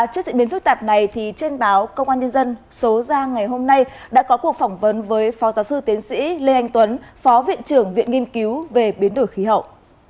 trước diễn biến phức tạp này trên báo công an nhân dân số ra ngày hôm nay đã có cuộc phỏng vấn với phó giáo sư tiến sĩ lê anh tuấn phó viện trưởng viện nghiên cứu về biến đổi khí hậu